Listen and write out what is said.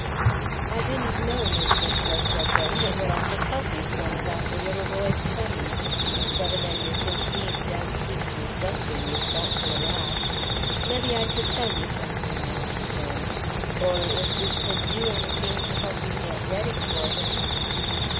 "I didn't know," Mis' Winslow said then, "but what I could help you some about the little boy's coming. Seven under fifteen does teach you something, you've got to allow. Mebbe I could tell you something, now and then. Or if we could do anything to help you get ready for him...."